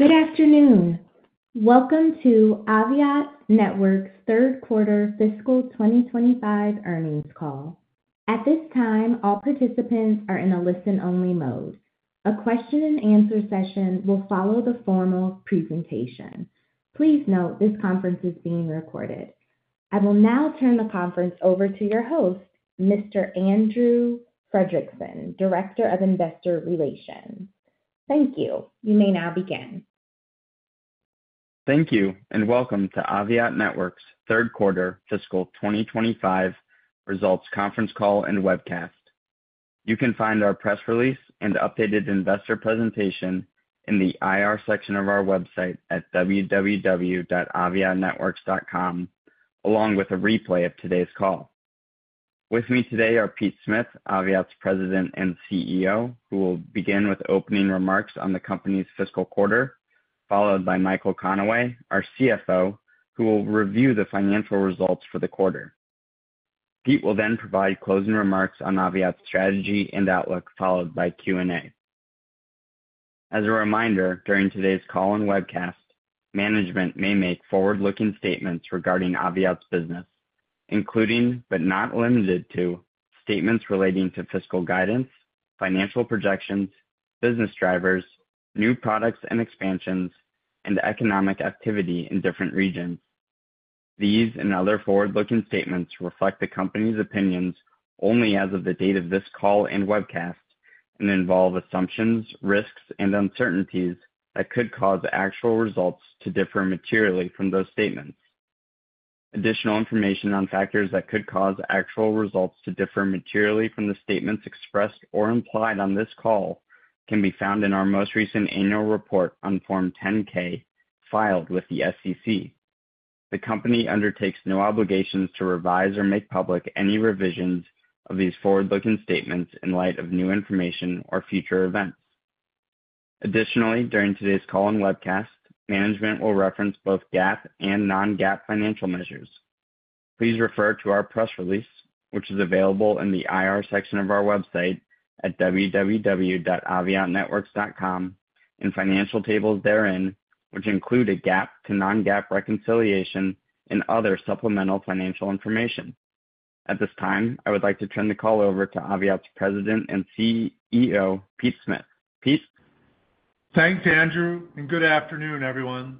Good afternoon. Welcome to Aviat Networks' Third Quarter Fiscal 2025 Earnings Call. At this time, all participants are in a listen-only mode. A question-and-answer session will follow the formal presentation. Please note this conference is being recorded. I will now turn the conference over to your host, Mr. Andrew Fredrickson, Director of Investor Relations. Thank you. You may now begin. Thank you, and welcome to Aviat Networks' Third Quarter Fiscal 2025 Results Conference Call and Webcast. You can find our press release and updated investor presentation in the IR section of our website at www.aviatnetworks.com, along with a replay of today's call. With me today are Pete Smith, Aviat's President and CEO, who will begin with opening remarks on the company's fiscal quarter, followed by Michael Connaway, our CFO, who will review the financial results for the quarter. Pete will then provide closing remarks on Aviat's strategy and outlook, followed by Q&A. As a reminder, during today's call and webcast, management may make forward-looking statements regarding Aviat's business, including but not limited to statements relating to fiscal guidance, financial projections, business drivers, new products and expansions, and economic activity in different regions. These and other forward-looking statements reflect the company's opinions only as of the date of this call and webcast and involve assumptions, risks, and uncertainties that could cause actual results to differ materially from those statements. Additional information on factors that could cause actual results to differ materially from the statements expressed or implied on this call can be found in our most recent annual report on Form 10-K filed with the SEC. The company undertakes no obligations to revise or make public any revisions of these forward-looking statements in light of new information or future events. Additionally, during today's call and webcast, management will reference both GAAP and non-GAAP financial measures. Please refer to our press release, which is available in the IR section of our website at www.aviatnetworks.com, and financial tables therein, which include a GAAP to non-GAAP reconciliation and other supplemental financial information. At this time, I would like to turn the call over to Aviat's President and CEO, Pete Smith. Pete. Thanks, Andrew, and good afternoon, everyone.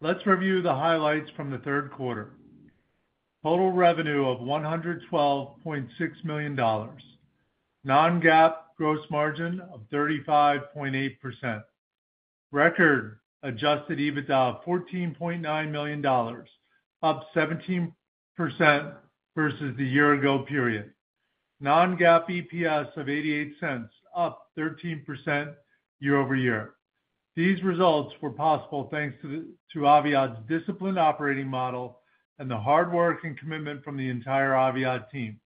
Let's review the highlights from the third quarter. Total revenue of $112.6 million. Non-GAAP gross margin of 35.8%. Record adjusted EBITDA of $14.9 million, up 17% versus the year-ago period. Non-GAAP EPS of $0.88, up 13% year-over-year. These results were possible thanks to Aviat's disciplined operating model and the hard work and commitment from the entire Aviat team.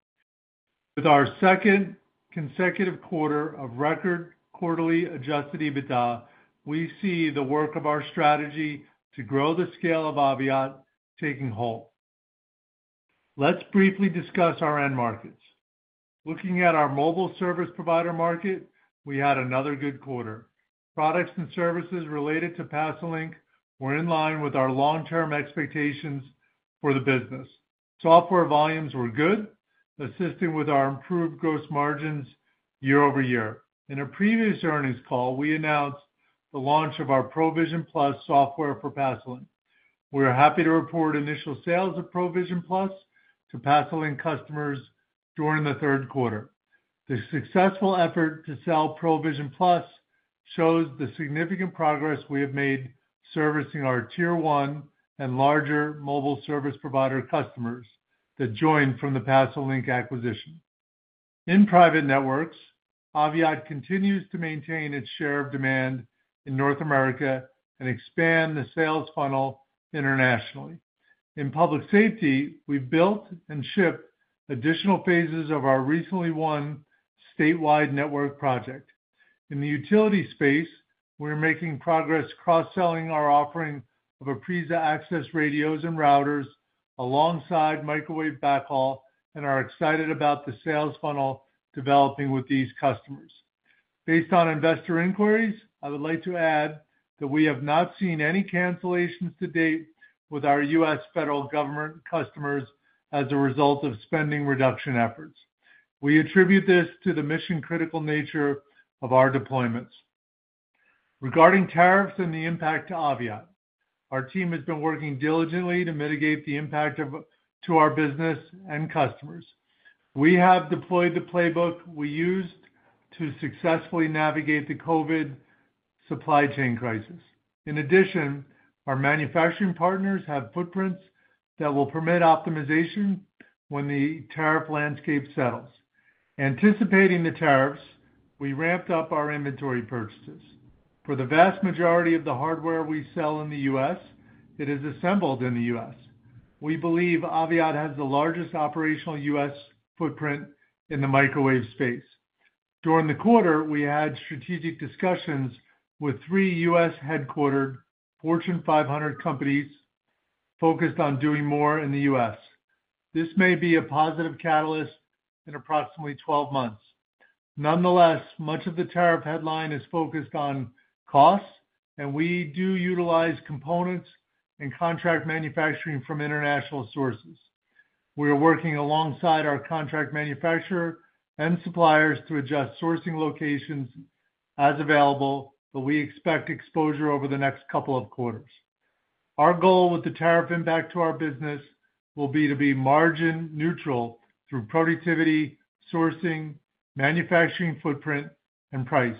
With our second consecutive quarter of record quarterly adjusted EBITDA, we see the work of our strategy to grow the scale of Aviat taking hold. Let's briefly discuss our end markets. Looking at our mobile service provider market, we had another good quarter. Products and services related to Pasalink were in line with our long-term expectations for the business. Software volumes were good, assisting with our improved gross margins year-over-year. In a previous earnings call, we announced the launch of our ProVision Plus software for Pasalink. We are happy to report initial sales of ProVision Plus to Pasalink customers during the third quarter. The successful effort to sell ProVision Plus shows the significant progress we have made servicing our tier one and larger mobile service provider customers that joined from the Pasalink acquisition. In private networks, Aviat continues to maintain its share of demand in North America and expand the sales funnel internationally. In public safety, we've built and shipped additional phases of our recently won statewide network project. In the utility space, we're making progress cross-selling our offering of Apriza access radios and routers alongside microwave backhaul, and are excited about the sales funnel developing with these customers. Based on investor inquiries, I would like to add that we have not seen any cancellations to date with our U.S. federal government customers as a result of spending reduction efforts. We attribute this to the mission-critical nature of our deployments. Regarding tariffs and the impact to Aviat, our team has been working diligently to mitigate the impact to our business and customers. We have deployed the playbook we used to successfully navigate the COVID supply chain crisis. In addition, our manufacturing partners have footprints that will permit optimization when the tariff landscape settles. Anticipating the tariffs, we ramped up our inventory purchases. For the vast majority of the hardware we sell in the U.S., it is assembled in the U.S. We believe Aviat has the largest operational U.S. footprint in the microwave space. During the quarter, we had strategic discussions with three U.S.-headquartered Fortune 500 companies focused on doing more in the U.S. This may be a positive catalyst in approximately 12 months. Nonetheless, much of the tariff headline is focused on costs, and we do utilize components and contract manufacturing from international sources. We are working alongside our contract manufacturer and suppliers to adjust sourcing locations as available, but we expect exposure over the next couple of quarters. Our goal with the tariff impact to our business will be to be margin-neutral through productivity, sourcing, manufacturing footprint, and price.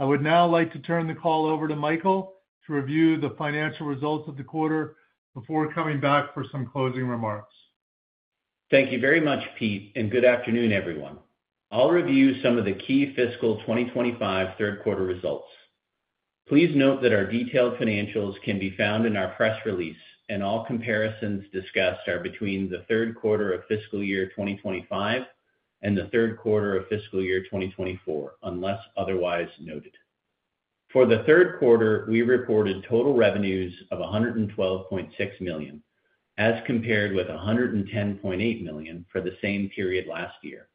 I would now like to turn the call over to Michael to review the financial results of the quarter before coming back for some closing remarks. Thank you very much, Pete, and good afternoon, everyone. I'll review some of the key fiscal 2025 third quarter results. Please note that our detailed financials can be found in our press release, and all comparisons discussed are between the third quarter of fiscal year 2025 and the third quarter of fiscal year 2024, unless otherwise noted. For the third quarter, we reported total revenues of $112.6 million, as compared with $110.8 million for the same period last year,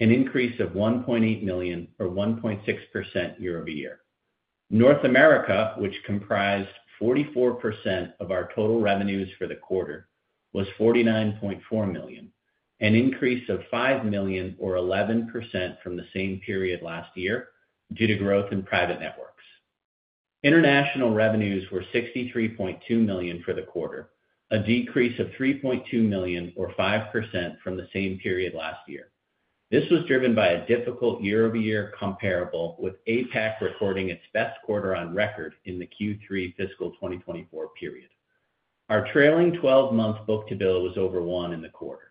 an increase of $1.8 million, or 1.6% year-over-year. North America, which comprised 44% of our total revenues for the quarter, was $49.4 million, an increase of $5 million, or 11% from the same period last year, due to growth in private networks. International revenues were $63.2 million for the quarter, a decrease of $3.2 million, or 5% from the same period last year. This was driven by a difficult year-over-year comparable, with APAC recording its best quarter on record in the Q3 fiscal 2024 period. Our trailing 12-month book-to-bill was over 1 in the quarter.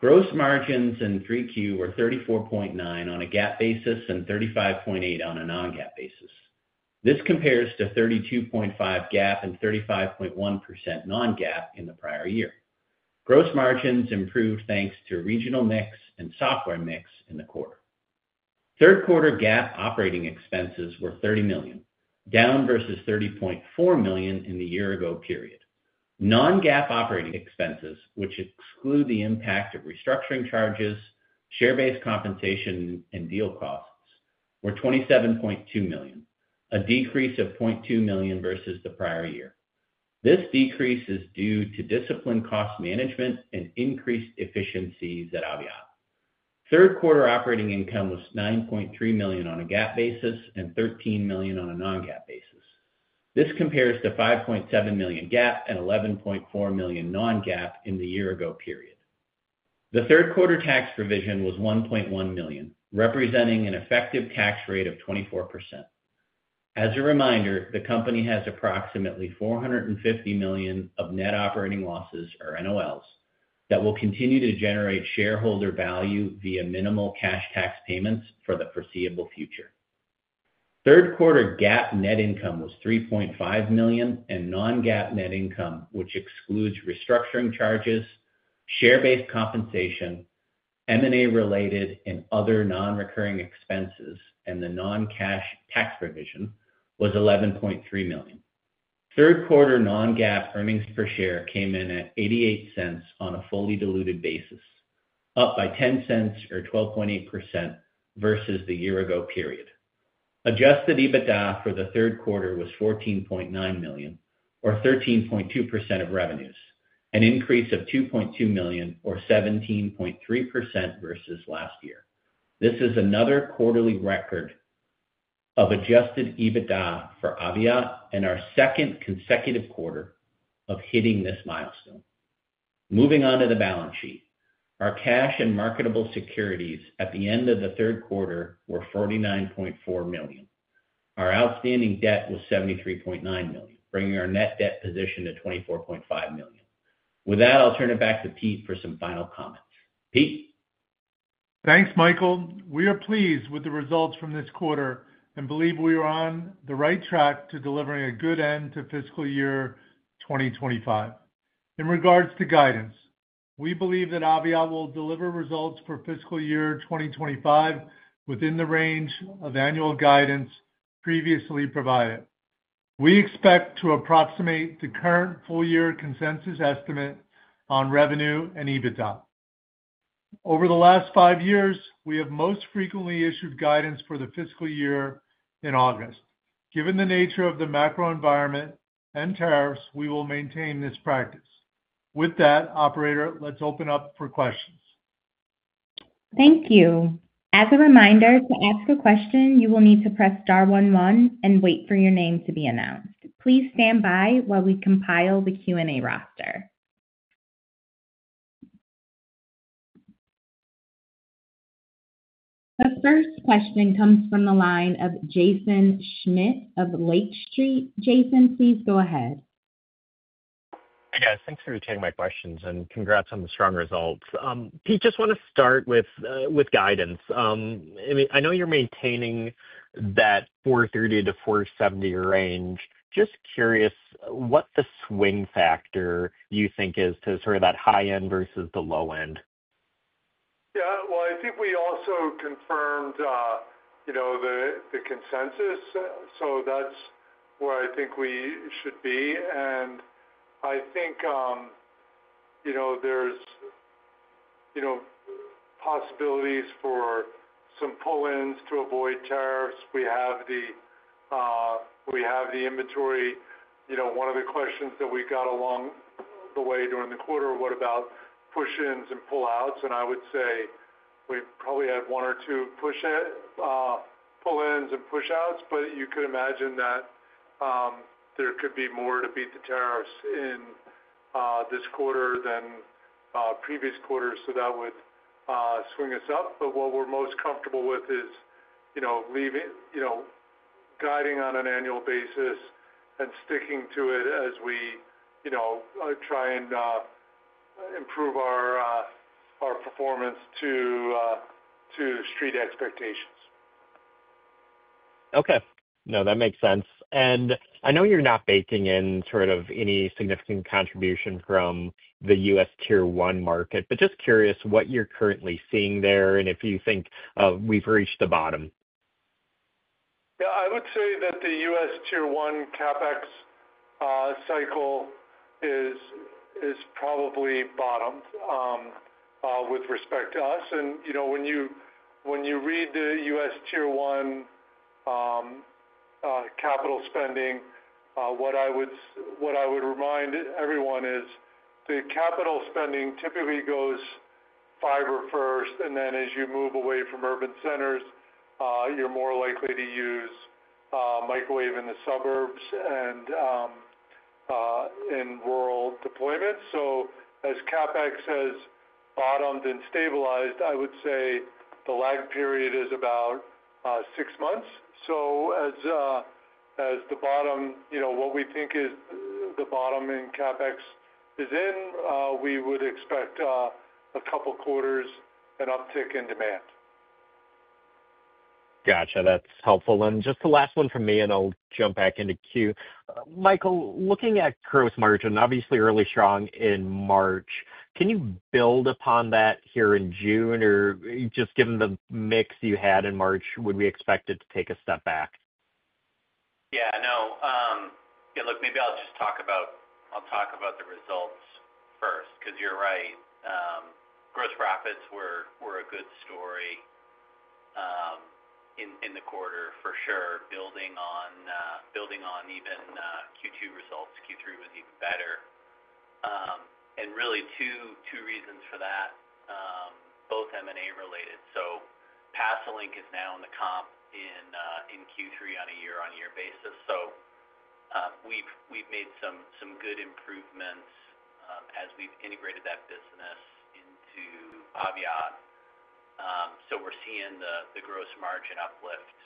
Gross margins in 3Q were 34.9% on a GAAP basis and 35.8% on a non-GAAP basis. This compares to 32.5% GAAP and 35.1% non-GAAP in the prior year. Gross margins improved thanks to regional mix and software mix in the quarter. Third quarter GAAP operating expenses were $30 million, down versus $30.4 million in the year-ago period. Non-GAAP operating expenses, which exclude the impact of restructuring charges, share-based compensation, and deal costs, were $27.2 million, a decrease of $0.2 million versus the prior year. This decrease is due to disciplined cost management and increased efficiencies at Aviat. Third quarter operating income was $9.3 million on a GAAP basis and $13 million on a non-GAAP basis. This compares to $5.7 million GAAP and $11.4 million non-GAAP in the year-ago period. The third quarter tax provision was $1.1 million, representing an effective tax rate of 24%. As a reminder, the company has approximately $450 million of net operating losses, or NOLs, that will continue to generate shareholder value via minimal cash tax payments for the foreseeable future. Third quarter GAAP net income was $3.5 million, and non-GAAP net income, which excludes restructuring charges, share-based compensation, M&A-related and other non-recurring expenses, and the non-cash tax provision, was $11.3 million. Third quarter non-GAAP earnings per share came in at $0.88 on a fully diluted basis, up by $0.10, or 12.8% versus the year-ago period. Adjusted EBITDA for the third quarter was $14.9 million, or 13.2% of revenues, an increase of $2.2 million, or 17.3% versus last year. This is another quarterly record of adjusted EBITDA for Aviat and our second consecutive quarter of hitting this milestone. Moving on to the balance sheet, our cash and marketable securities at the end of the third quarter were $49.4 million. Our outstanding debt was $73.9 million, bringing our net debt position to $24.5 million. With that, I'll turn it back to Pete for some final comments. Pete. Thanks, Michael. We are pleased with the results from this quarter and believe we are on the right track to delivering a good end to fiscal year 2025. In regards to guidance, we believe that Aviat will deliver results for fiscal year 2025 within the range of annual guidance previously provided. We expect to approximate the current full-year consensus estimate on revenue and EBITDA. Over the last five years, we have most frequently issued guidance for the fiscal year in August. Given the nature of the macro environment and tariffs, we will maintain this practice. With that, operator, let's open up for questions. Thank you. As a reminder, to ask a question, you will need to press star 11 and wait for your name to be announced. Please stand by while we compile the Q&A roster. The first question comes from the line of Jaeson Schmidt of Lake Street. Jason, please go ahead. Hi, guys. Thanks for taking my questions, and congrats on the strong results. Pete, just want to start with guidance. I mean, I know you're maintaining that $430-$470 range. Just curious what the swing factor you think is to sort of that high end versus the low end. Yeah, I think we also confirmed the consensus, so that's where I think we should be. I think there's possibilities for some pull-ins to avoid tariffs. We have the inventory. One of the questions that we got along the way during the quarter was, "What about push-ins and pull-outs?" I would say we probably had one or two pull-ins and push-outs, but you could imagine that there could be more to beat the tariffs in this quarter than previous quarters. That would swing us up. What we're most comfortable with is guiding on an annual basis and sticking to it as we try and improve our performance to street expectations. Okay. No, that makes sense. I know you're not baking in sort of any significant contribution from the U.S. tier one market, but just curious what you're currently seeing there and if you think we've reached the bottom. Yeah, I would say that the U.S. tier one CapEx cycle is probably bottomed with respect to us. When you read the U.S. tier one capital spending, what I would remind everyone is the capital spending typically goes fiber first, and then as you move away from urban centers, you're more likely to use microwave in the suburbs and in rural deployments. As CapEx has bottomed and stabilized, I would say the lag period is about six months. As the bottom, what we think is the bottom in CapEx is in, we would expect a couple of quarters an uptick in demand. Gotcha. That's helpful. Just the last one from me, and I'll jump back into Q. Michael, looking at gross margin, obviously early strong in March, can you build upon that here in June? Or just given the mix you had in March, would we expect it to take a step back? Yeah, no. Yeah, look, maybe I'll just talk about the results first because you're right. Gross profits were a good story in the quarter, for sure, building on even Q2 results. Q3 was even better. Really, two reasons for that, both M&A-related. Pasalink is now in the comp in Q3 on a year-on-year basis. We've made some good improvements as we've integrated that business into Aviat. We're seeing the gross margin uplift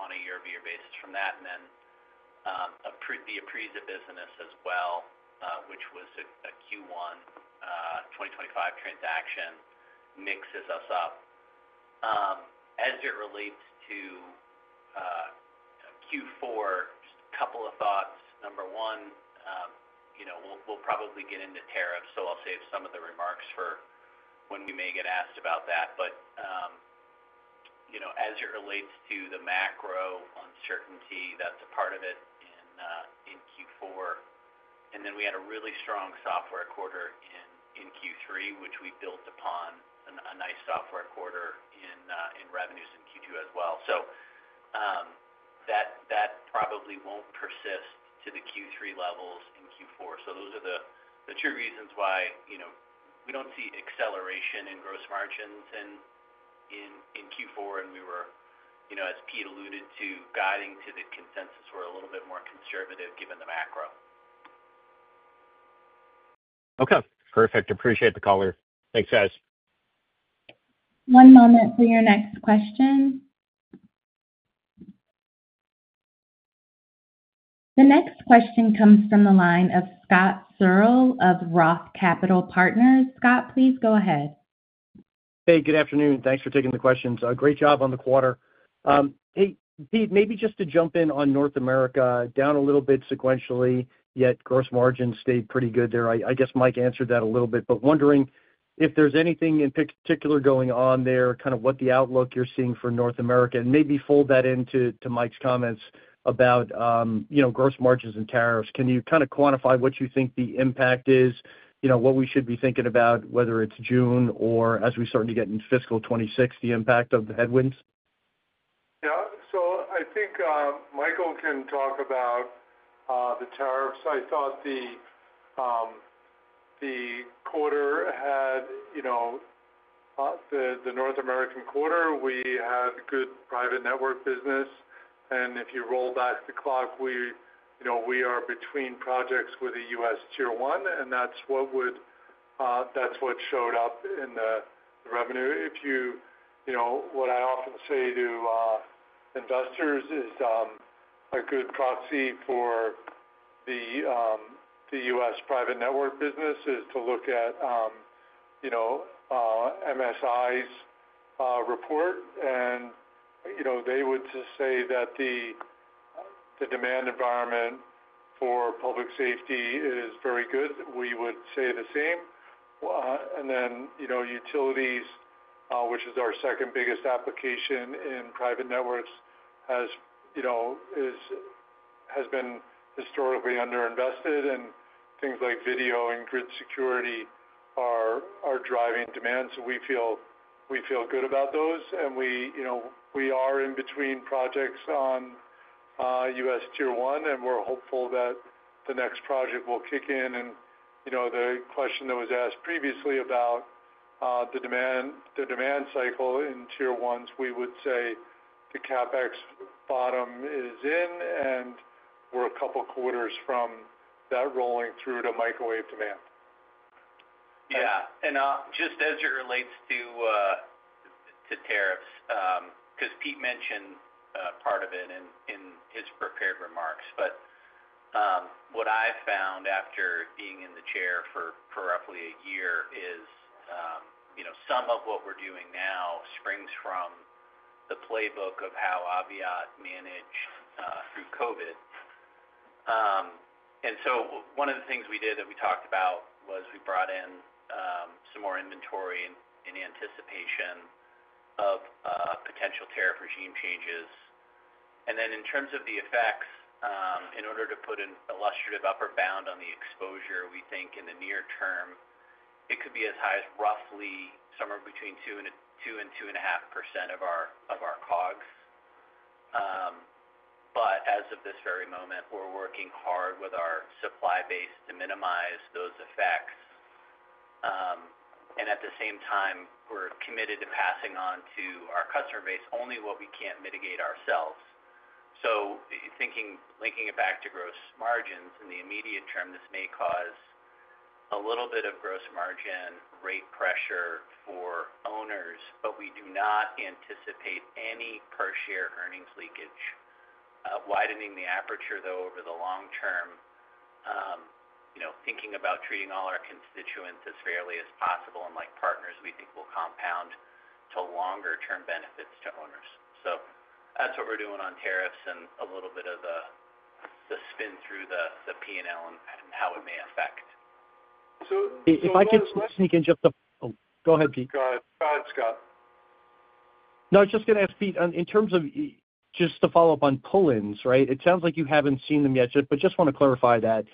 on a year-over-year basis from that. The Apriza business as well, which was a Q1 2025 transaction, mixes us up. As it relates to Q4, just a couple of thoughts. Number one, we'll probably get into tariffs, so I'll save some of the remarks for when we may get asked about that. As it relates to the macro uncertainty, that's a part of it in Q4. We had a really strong software quarter in Q3, which we built upon a nice software quarter in revenues in Q2 as well. That probably will not persist to the Q3 levels in Q4. Those are the two reasons why we do not see acceleration in gross margins in Q4. We were, as Pete alluded to, guiding to the consensus. We are a little bit more conservative given the macro. Okay. Perfect. Appreciate the color. Thanks, guys. One moment for your next question. The next question comes from the line of Scott Searle of ROTH Capital Partners. Scott, please go ahead. Hey, good afternoon. Thanks for taking the questions. Great job on the quarter. Hey, Pete, maybe just to jump in on North America, down a little bit sequentially, yet gross margins stayed pretty good there. I guess Mike answered that a little bit, but wondering if there's anything in particular going on there, kind of what the outlook you're seeing for North America, and maybe fold that into Mike's comments about gross margins and tariffs. Can you kind of quantify what you think the impact is, what we should be thinking about, whether it's June or as we start to get into fiscal 2026, the impact of the headwinds? Yeah. I think Michael can talk about the tariffs. I thought the quarter had the North American quarter, we had good private network business. If you roll back the clock, we are between projects with a U.S. tier one, and that is what showed up in the revenue. What I often say to investors is a good proxy for the U.S. private network business is to look at MSI's report. They would just say that the demand environment for public safety is very good. We would say the same. Utilities, which is our second biggest application in private networks, has been historically underinvested, and things like video and grid security are driving demand. We feel good about those. We are in between projects on U.S. tier one, and we are hopeful that the next project will kick in. The question that was asked previously about the demand cycle in tier ones, we would say the CapEx bottom is in, and we're a couple of quarters from that rolling through to microwave demand. Yeah. Just as it relates to tariffs, because Pete mentioned part of it in his prepared remarks, what I found after being in the chair for roughly a year is some of what we're doing now springs from the playbook of how Aviat managed through COVID. One of the things we did that we talked about was we brought in some more inventory in anticipation of potential tariff regime changes. In terms of the effects, in order to put an illustrative upper bound on the exposure, we think in the near term, it could be as high as roughly somewhere between 2-2.5% of our COGS. As of this very moment, we're working hard with our supply base to minimize those effects. At the same time, we're committed to passing on to our customer base only what we can't mitigate ourselves. Linking it back to gross margins in the immediate term, this may cause a little bit of gross margin rate pressure for owners, but we do not anticipate any per-share earnings leakage. Widening the aperture, though, over the long term, thinking about treating all our constituents as fairly as possible and like partners, we think will compound to longer-term benefits to owners. That is what we are doing on tariffs and a little bit of the spin through the P&L and how it may affect. If I could just sneak in just a—go ahead, Pete. Go ahead, Scott. No, I was just going to ask Pete, in terms of just to follow up on pull-ins, right? It sounds like you haven't seen them yet, but just want to clarify that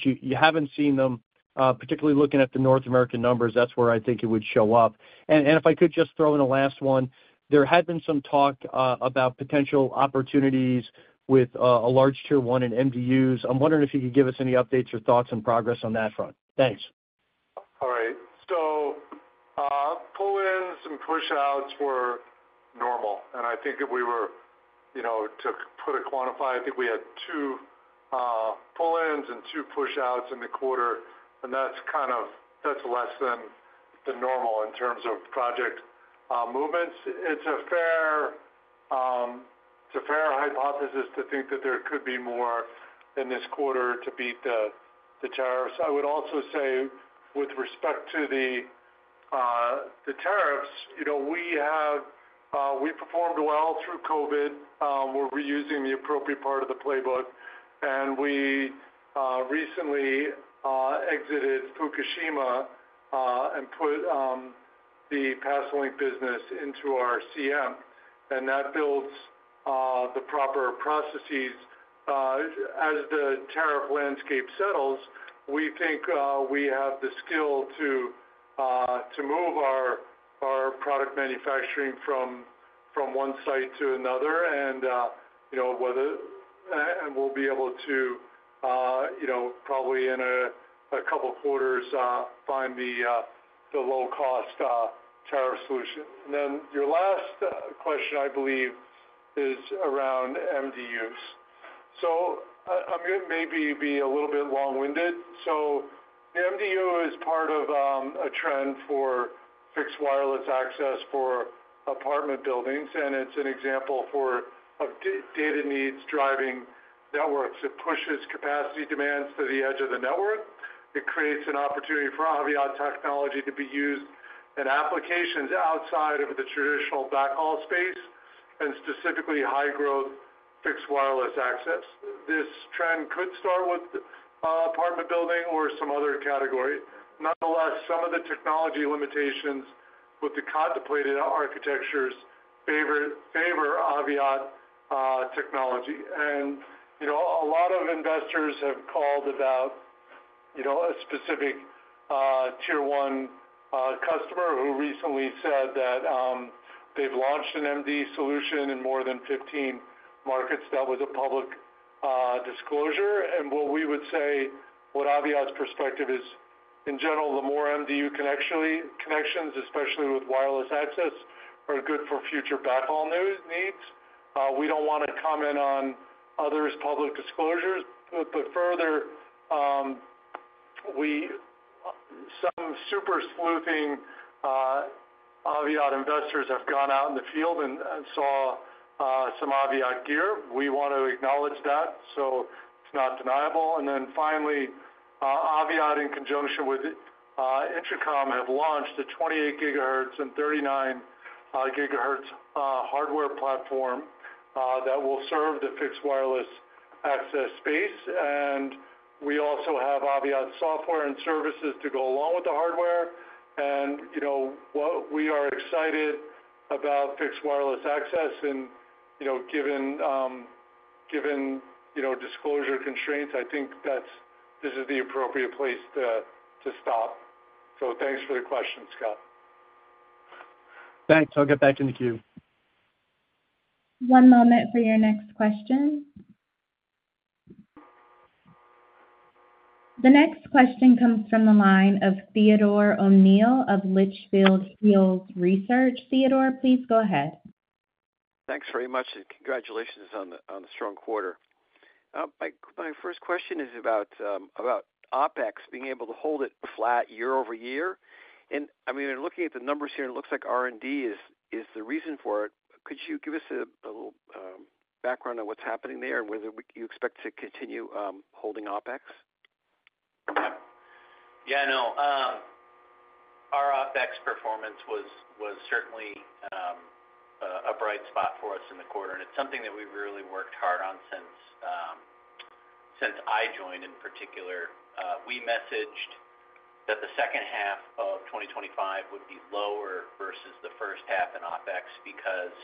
you haven't seen them, particularly looking at the North American numbers. That's where I think it would show up. If I could just throw in a last one, there had been some talk about potential opportunities with a large tier one in MDUs. I'm wondering if you could give us any updates or thoughts on progress on that front. Thanks. All right. Pull-ins and push-outs were normal. I think if we were to put a quantify, I think we had two pull-ins and two push-outs in the quarter, and that's less than the normal in terms of project movements. It's a fair hypothesis to think that there could be more in this quarter to beat the tariffs. I would also say with respect to the tariffs, we performed well through COVID. We're reusing the appropriate part of the playbook. We recently exited Fukushima and put the Pasalink business into our CM. That builds the proper processes. As the tariff landscape settles, we think we have the skill to move our product manufacturing from one site to another, and we'll be able to probably in a couple of quarters find the low-cost tariff solution. Your last question, I believe, is around MDUs. I'm going to maybe be a little bit long-winded. The MDU is part of a trend for fixed wireless access for apartment buildings, and it's an example for data needs driving networks. It pushes capacity demands to the edge of the network. It creates an opportunity for Aviat technology to be used in applications outside of the traditional backhaul space and specifically high-growth fixed wireless access. This trend could start with apartment building or some other category. Nonetheless, some of the technology limitations with the contemplated architectures favor Aviat technology. A lot of investors have called about a specific tier one customer who recently said that they've launched an MDU solution in more than 15 markets. That was a public disclosure. What we would say, from Aviat's perspective, is in general, the more MDU connections, especially with wireless access, are good for future backhaul needs. We don't want to comment on others' public disclosures. Further, some super sleuthing Aviat investors have gone out in the field and saw some Aviat gear. We want to acknowledge that. It is not deniable. Aviat, in conjunction with Intercom, have launched a 28 GHz and 39 GHz hardware platform that will serve the fixed wireless access space. We also have Aviat software and services to go along with the hardware. We are excited about fixed wireless access. Given disclosure constraints, I think this is the appropriate place to stop. Thanks for the question, Scott. Thanks. I'll get back into Q. One moment for your next question. The next question comes from the line of Theodore O'Neill of Litchfield Hills Research. Theodore, please go ahead. Thanks very much. Congratulations on the strong quarter. My first question is about OPEX, being able to hold it flat year over year. I mean, we're looking at the numbers here. It looks like R&D is the reason for it. Could you give us a little background on what's happening there and whether you expect to continue holding OPEX? Yeah, no. Our OPEX performance was certainly a bright spot for us in the quarter. It is something that we have really worked hard on since I joined, in particular. We messaged that the second half of 2025 would be lower versus the first half in OPEX because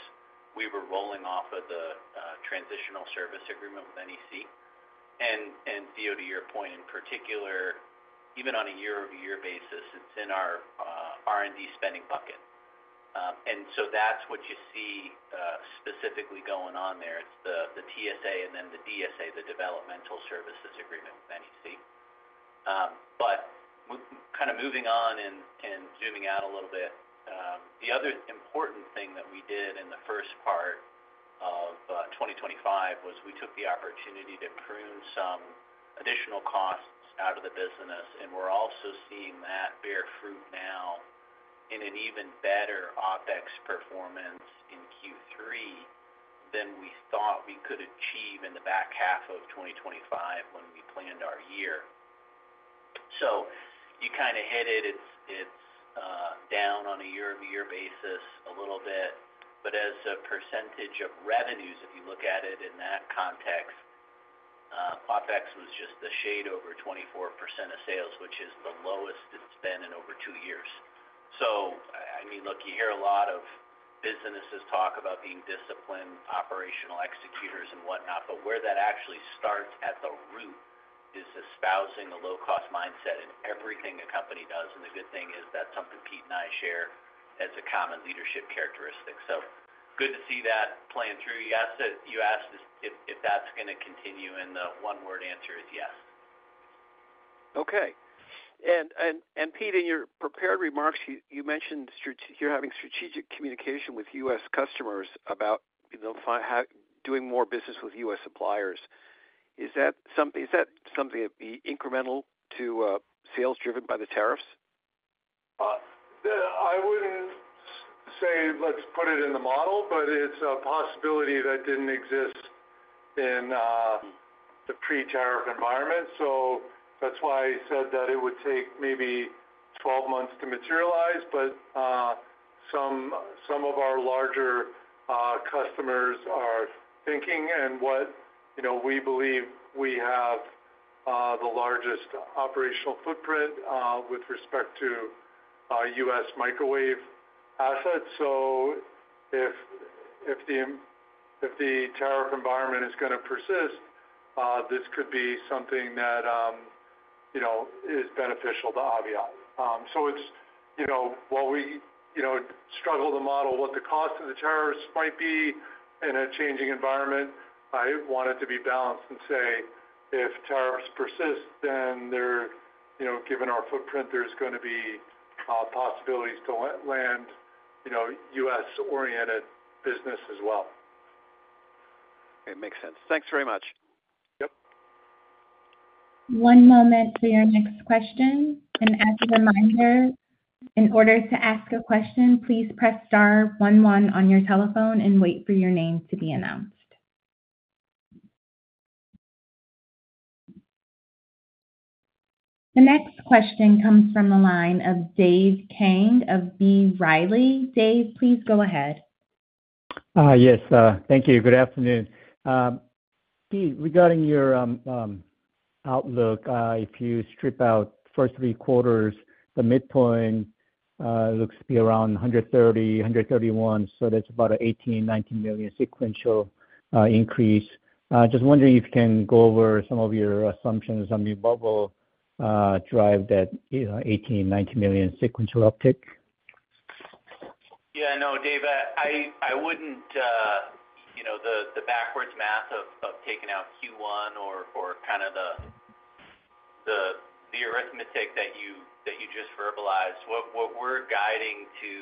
we were rolling off of the transitional service agreement with NEC. Theo, to your point, in particular, even on a year-over-year basis, it is in our R&D spending bucket. That is what you see specifically going on there. It is the TSA and then the DSA, the developmental services agreement with NEC. Kind of moving on and zooming out a little bit, the other important thing that we did in the first part of 2025 was we took the opportunity to prune some additional costs out of the business. We're also seeing that bear fruit now in an even better OPEX performance in Q3 than we thought we could achieve in the back half of 2025 when we planned our year. You kind of hit it. It's down on a year-over-year basis a little bit. As a percentage of revenues, if you look at it in that context, OPEX was just a shade over 24% of sales, which is the lowest it's been in over two years. I mean, look, you hear a lot of businesses talk about being disciplined operational executors and whatnot, but where that actually starts at the root is espousing a low-cost mindset in everything a company does. The good thing is that's something Pete and I share as a common leadership characteristic. Good to see that playing through. You asked if that's going to continue, and the one-word answer is yes. Okay. Pete, in your prepared remarks, you mentioned you're having strategic communication with U.S. customers about doing more business with U.S. suppliers. Is that something that would be incremental to sales driven by the tariffs? I wouldn't say let's put it in the model, but it's a possibility that didn't exist in the pre-tariff environment. That's why I said that it would take maybe 12 months to materialize. Some of our larger customers are thinking, and we believe we have the largest operational footprint with respect to U.S. microwave assets. If the tariff environment is going to persist, this could be something that is beneficial to Aviat. While we struggle to model what the cost of the tariffs might be in a changing environment, I want it to be balanced and say, if tariffs persist, then given our footprint, there's going to be possibilities to land U.S.-oriented business as well. It makes sense. Thanks very much. Yep. One moment for your next question. As a reminder, in order to ask a question, please press star 11 on your telephone and wait for your name to be announced. The next question comes from the line of Dave Kang of B. Riley. Dave, please go ahead. Yes. Thank you. Good afternoon. Pete, regarding your outlook, if you strip out first three quarters, the midpoint looks to be around $130 million, $131 million. So that's about an $18 million-$19 million sequential increase. Just wondering if you can go over some of your assumptions on what will drive that $18 million-$19 million sequential uptick. Yeah. No, Dave, I wouldn't—the backwards math of taking out Q1 or kind of the arithmetic that you just verbalized—what we're guiding to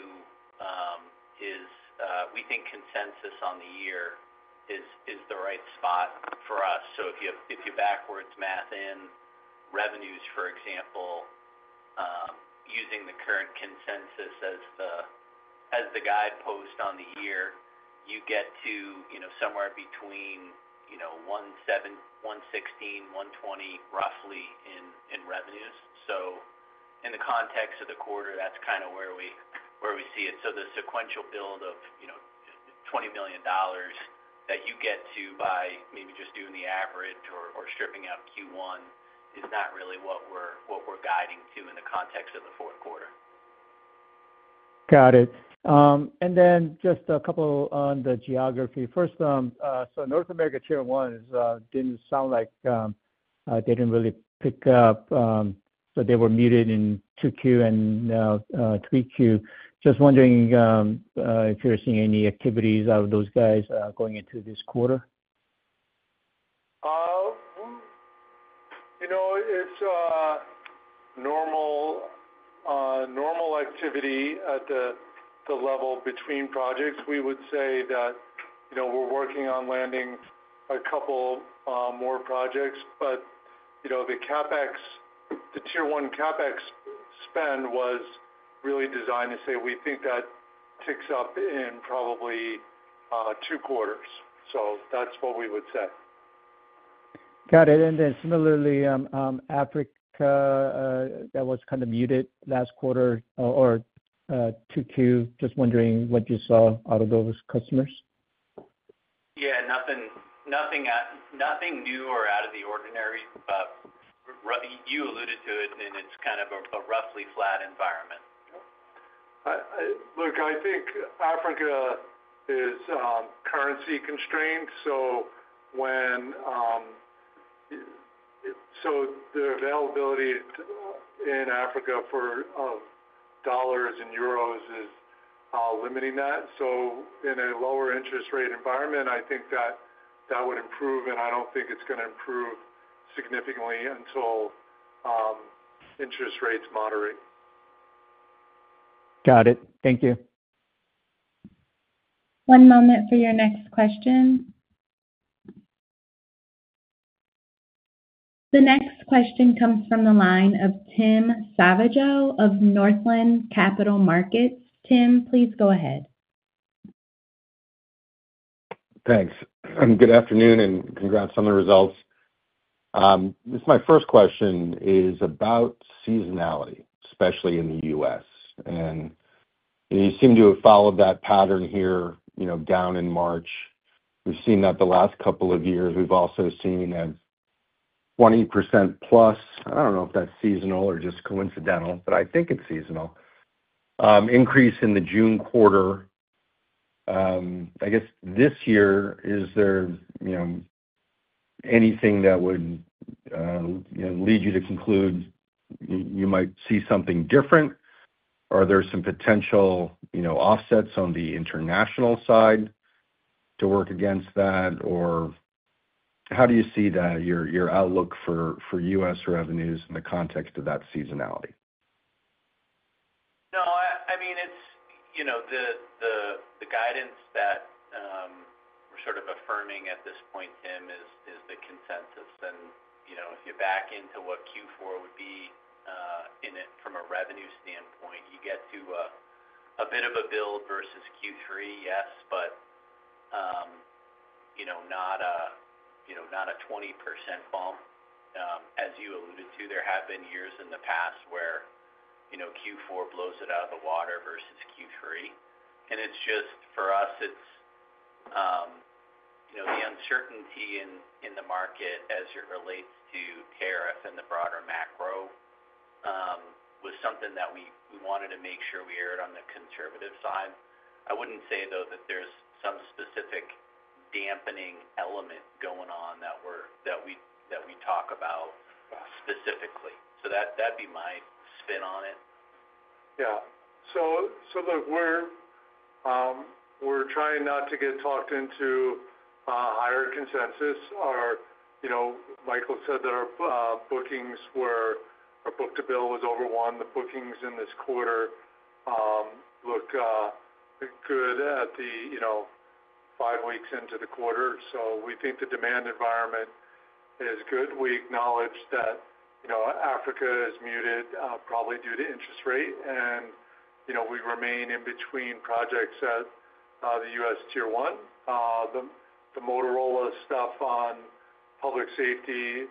is we think consensus on the year is the right spot for us. If you backwards math in revenues, for example, using the current consensus as the guide post on the year, you get to somewhere between $116 million-$120 million, roughly, in revenues. In the context of the quarter, that's kind of where we see it. The sequential build of $20 million that you get to by maybe just doing the average or stripping out Q1 is not really what we're guiding to in the context of the fourth quarter. Got it. And then just a couple on the geography. First, so North America tier one did not sound like they did not really pick up. They were muted in 2Q and 3Q. Just wondering if you are seeing any activities out of those guys going into this quarter. It's normal activity at the level between projects. We would say that we're working on landing a couple more projects. The tier one CapEx spend was really designed to say we think that ticks up in probably two quarters. That's what we would say. Got it. Then similarly, Africa, that was kind of muted last quarter or 2Q. Just wondering what you saw out of those customers. Yeah. Nothing new or out of the ordinary. You alluded to it, and it's kind of a roughly flat environment. Look, I think Africa is currency constrained. So the availability in Africa for dollars and euros is limiting that. In a lower interest rate environment, I think that would improve, and I do not think it is going to improve significantly until interest rates moderate. Got it. Thank you. One moment for your next question. The next question comes from the line of Tim Savageau of Northland Capital Markets. Tim, please go ahead. Thanks. Good afternoon, and congrats on the results. My first question is about seasonality, especially in the U.S. You seem to have followed that pattern here down in March. We've seen that the last couple of years. We've also seen a 20% plus—I do not know if that's seasonal or just coincidental, but I think it's seasonal—increase in the June quarter. I guess this year, is there anything that would lead you to conclude you might see something different? Are there some potential offsets on the international side to work against that? How do you see your outlook for U.S. revenues in the context of that seasonality? No. I mean, the guidance that we're sort of affirming at this point, Tim, is the consensus. If you back into what Q4 would be from a revenue standpoint, you get to a bit of a build versus Q3, yes, but not a 20% bump. As you alluded to, there have been years in the past where Q4 blows it out of the water versus Q3. For us, it's the uncertainty in the market as it relates to tariff and the broader macro was something that we wanted to make sure we aired on the conservative side. I wouldn't say, though, that there's some specific dampening element going on that we talk about specifically. That'd be my spin on it. Yeah. So look, we're trying not to get talked into a higher consensus. Michael said that our bookings were—our book-to-bill was over one. The bookings in this quarter look good at the five weeks into the quarter. So we think the demand environment is good. We acknowledge that Africa is muted, probably due to interest rate. And we remain in between projects at the U.S. tier one. The Motorola stuff on public safety,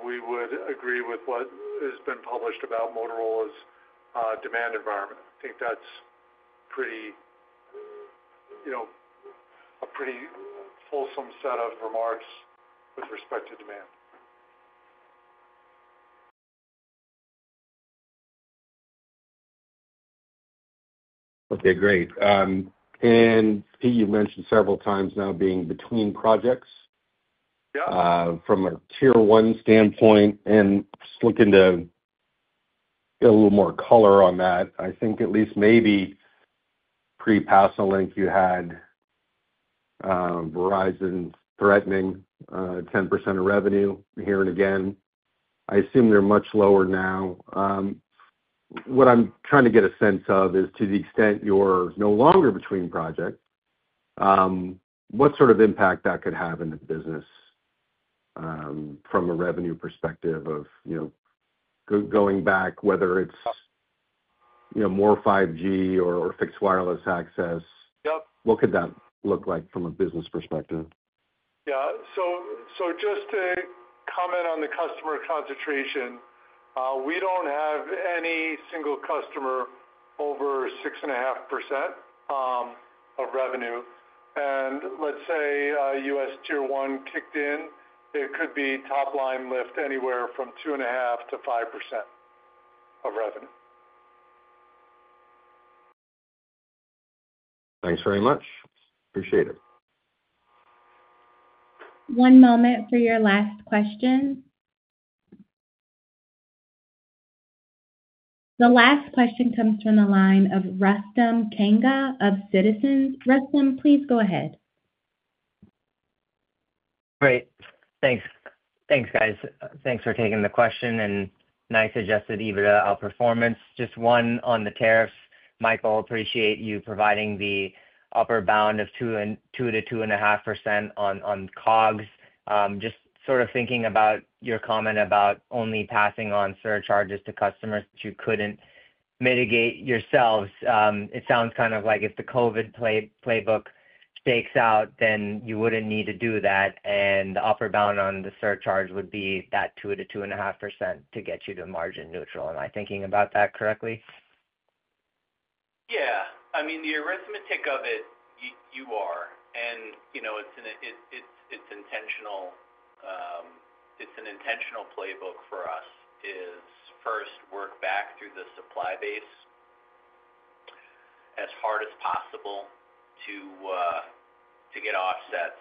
we would agree with what has been published about Motorola's demand environment. I think that's a pretty wholesome set of remarks with respect to demand. Okay. Great. Pete, you mentioned several times now being between projects from a tier one standpoint. Just looking to get a little more color on that, I think at least maybe pre-Pasalink, you had Verizon threatening 10% of revenue here and again. I assume they're much lower now. What I'm trying to get a sense of is to the extent you're no longer between projects, what sort of impact that could have in the business from a revenue perspective of going back, whether it's more 5G or fixed wireless access. What could that look like from a business perspective? Yeah. So just to comment on the customer concentration, we do not have any single customer over 6.5% of revenue. Let's say U.S. tier one kicked in, it could be top line lift anywhere from 2.5-5% of revenue. Thanks very much. Appreciate it. One moment for your last question. The last question comes from the line of Rustam Kanga of Citizens. Rustam, please go ahead. Great. Thanks. Thanks, guys. Thanks for taking the question. Nice suggested even outperformance. Just one on the tariffs. Michael, appreciate you providing the upper bound of 2-2.5% on COGS. Just sort of thinking about your comment about only passing on surcharges to customers that you could not mitigate yourselves. It sounds kind of like if the COVID playbook stakes out, then you would not need to do that. The upper bound on the surcharge would be that 2-2.5% to get you to margin neutral. Am I thinking about that correctly? Yeah. I mean, the arithmetic of it, you are. It is an intentional playbook for us: first, work back through the supply base as hard as possible to get offsets.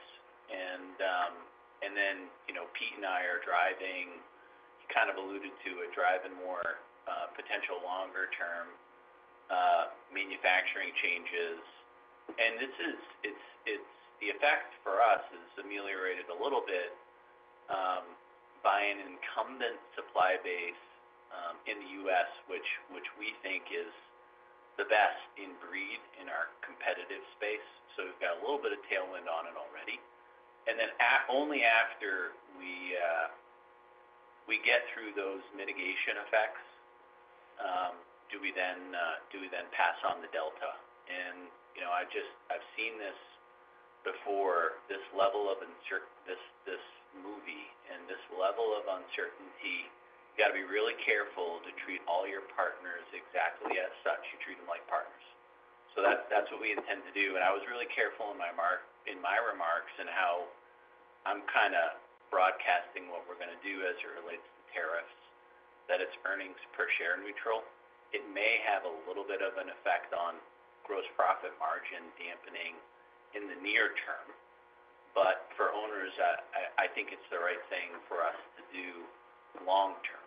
Pete and I are driving—you kind of alluded to it—driving more potential longer-term manufacturing changes. The effect for us is ameliorated a little bit by an incumbent supply base in the U.S., which we think is the best in breed in our competitive space. We have a little bit of tailwind on it already. Only after we get through those mitigation effects do we then pass on the delta. I have seen this before, this level of movie and this level of uncertainty. You have to be really careful to treat all your partners exactly as such. You treat them like partners. That is what we intend to do. I was really careful in my remarks and how I'm kind of broadcasting what we're going to do as it relates to tariffs, that it's earnings per share neutral. It may have a little bit of an effect on gross profit margin dampening in the near term. For owners, I think it's the right thing for us to do long term.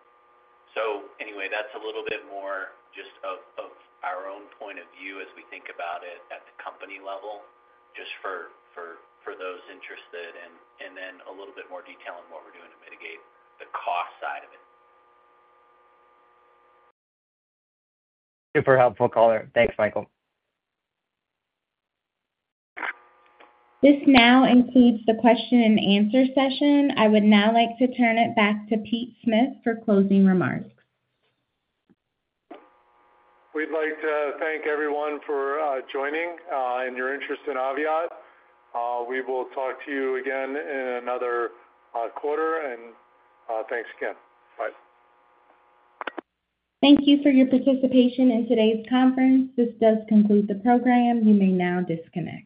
Anyway, that's a little bit more just of our own point of view as we think about it at the company level, just for those interested. A little bit more detail on what we're doing to mitigate the cost side of it. Super helpful, caller. Thanks, Michael. This now includes the question-and-answer session. I would now like to turn it back to Pete Smith for closing remarks. We'd like to thank everyone for joining and your interest in Aviat. We will talk to you again in another quarter. Thanks again. Bye. Thank you for your participation in today's conference. This does conclude the program. You may now disconnect.